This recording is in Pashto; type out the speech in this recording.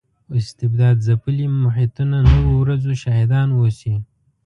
استبداد ځپلي محیطونه نویو ورځو شاهدان اوسي.